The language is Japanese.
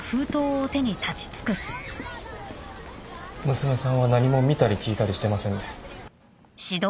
娘さんは何も見たり聞いたりしてませんね。